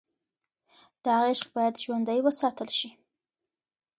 دا عشق باید ژوندی وساتل شي.